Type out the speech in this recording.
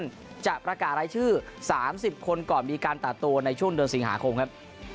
ซึ่งจะประกาศรายชื่อ๓๐คนก่อนมีการตัดตัวในช่วงเดือนสิงหาคมครับ